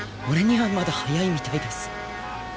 俺にはまだ早いみたいです。